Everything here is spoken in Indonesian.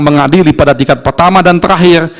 mengadili pada tingkat pertama dan terakhir